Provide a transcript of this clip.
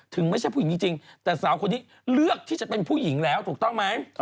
ไม่ใช่ผู้หญิงจริงแต่สาวคนนี้เลือกที่จะเป็นผู้หญิงแล้วถูกต้องไหม